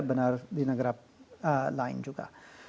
benar di negara lain juga